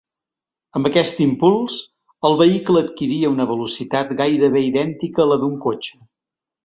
Amb aquest impuls, el vehicle adquiria una velocitat gairebé idèntica a la d'un cotxe.